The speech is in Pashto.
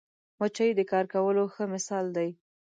مچمچۍ د کار کولو ښه مثال دی